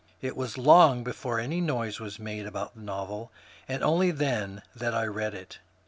It was long before any noise was made about that novel, and only then that I read it.